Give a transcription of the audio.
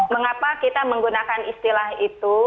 mengapa kita menggunakan istilah itu